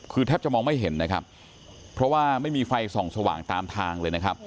คือแทบจะมองไม่เห็นนะครับเพราะว่าไม่มีไฟส่องสว่างตามทางเลยนะครับ